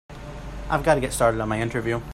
I've got to get started on my interview.